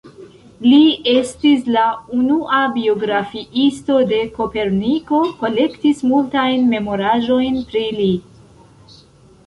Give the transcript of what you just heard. Li estis la unua biografiisto de Koperniko, kolektis multajn memoraĵojn pri li.